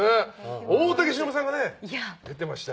大竹しのぶさんが出ていましたよ。